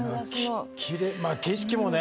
景色もね